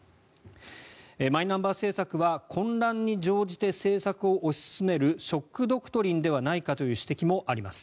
マイナンバー政策は混乱に乗じて政策を推し進めるショック・ドクトリンではないかという指摘もあります。